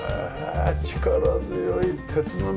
力強い鉄の魅力。